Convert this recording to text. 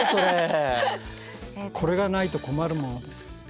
これがないと困るものです。